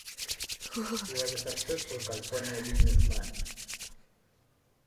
He was a successful California businessman.